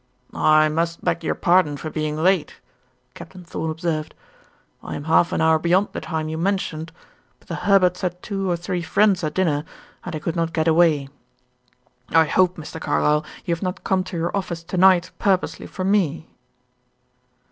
"I must beg your pardon, for being late," Captain Thorn observed. "I am half an hour beyond the time you mentioned, but the Herberts had two or three friends at dinner, and I could not get away. I hope, Mr. Carlyle, you have not come to your office to night purposely for me."